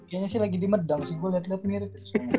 kayanya sih lagi di medan sih gue liat liat mirip